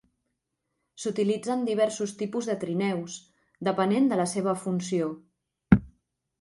S"utilitzen diversos tipus de trineus, depenent de la seva funció.